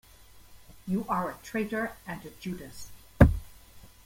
You are a traitor and a Judas.